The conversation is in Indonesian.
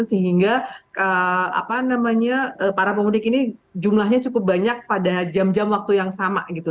sehingga para pemudik ini jumlahnya cukup banyak pada jam jam waktu yang sama gitu